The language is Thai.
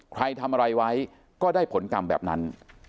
ใครทำอะไรไว้ก็ได้ผลกรรมแบบนั้น